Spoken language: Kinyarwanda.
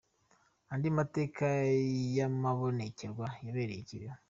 Andi mateka y’amabonekerwa yabereye i Kibeho.